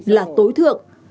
là tối thượng